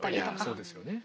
そうですよね。